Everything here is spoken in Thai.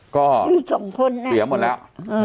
ที่ส่วนเปรียบหมดแล้ว